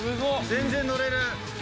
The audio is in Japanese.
全然乗れる。